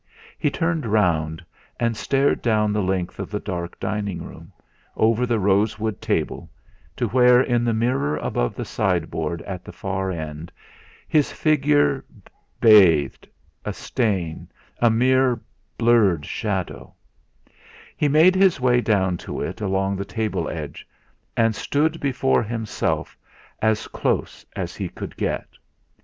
He turned round and stared down the length of the dark dining room, over the rosewood table, to where in the mirror above the sideboard at the far end, his figure bathed, a stain, a mere blurred shadow; he made his way down to it along the table edge, and stood before himself as close as he could get.